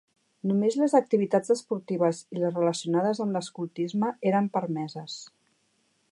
Només les activitats esportives i les relacionades amb escoltisme eren permeses.